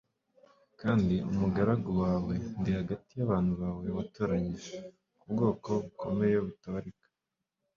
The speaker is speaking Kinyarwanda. kandi umugaragu wawe ndi hagati y' abantu bawe watoranyije b'ubwoko bukomeye butabarika